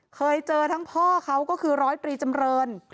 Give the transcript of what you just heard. เคยเจอทั้งพ่อเค้าก็คือ๑๐๐ปีจำเริน